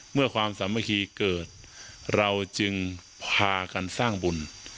เมื่อความสัมมคีย์เกิดเราจึงพากันสร้างบุญ